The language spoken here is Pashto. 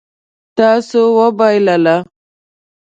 تاسو وبایلله